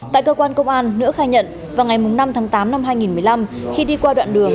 tại cơ quan công an nữ khai nhận vào ngày năm tháng tám năm hai nghìn một mươi năm khi đi qua đoạn đường